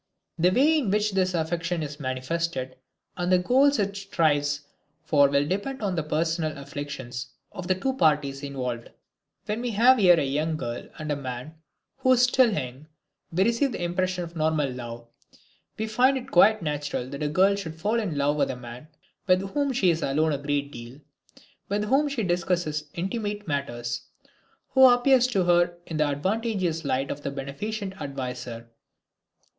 The way in which this affection is manifested and the goals it strives for will depend on the personal affiliations of the two parties involved. When we have here a young girl and a man who is still young we receive the impression of normal love. We find it quite natural that a girl should fall in love with a man with whom she is alone a great deal, with whom she discusses intimate matters, who appears to her in the advantageous light of a beneficent adviser.